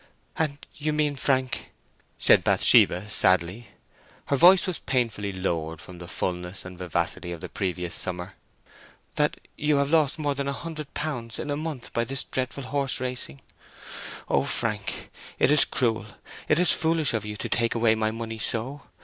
"And you mean, Frank," said Bathsheba, sadly—her voice was painfully lowered from the fulness and vivacity of the previous summer—"that you have lost more than a hundred pounds in a month by this dreadful horse racing? O, Frank, it is cruel; it is foolish of you to take away my money so.